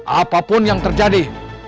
apapun yang terjadi